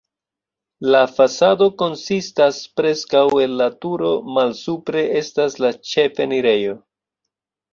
La fasado konsistas preskaŭ el la turo, malsupre estas la ĉefenirejo.